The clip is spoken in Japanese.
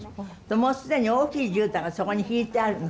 もう既に大きいじゅうたんがそこに敷いてあるの。